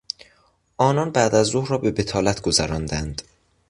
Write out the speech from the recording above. آنان بعدازظهر را به بطالت گذراندند.